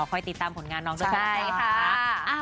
คอยติดตามผลงานน้องด้วยนะคะ